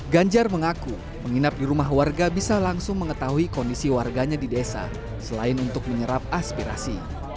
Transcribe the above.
ganjar mengaku menginap di rumah warga bisa langsung mengetahui kondisi warganya di desa selain untuk menyerap aspirasi